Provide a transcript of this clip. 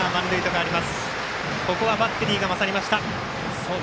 ここはバッテリーが勝りました。